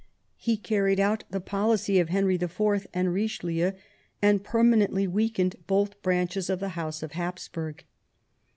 He carried out the policy of Henry IV. and Richelieu, and permanently weakened both branches of the house of Hapsburg.